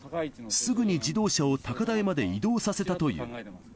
すぐに自動車を高台まで移動させたという。